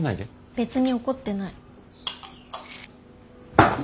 別に怒ってない。